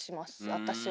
私は。